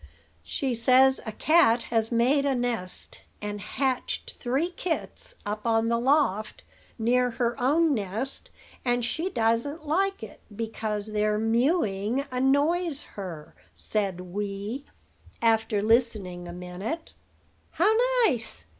"She says a cat has made a nest, and hatched three kits up on the loft, near her own nest; and she doesn't like it, because their mewing annoys her," said Wee, after listening a minute. "How nice!